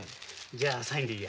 じゃあサインでいいや。